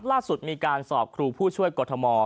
ล่าสุดมีการสอบครูผู้ช่วยกรทม